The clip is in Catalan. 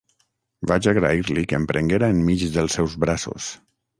Vaig agrair-li que em prenguera enmig dels seus braços.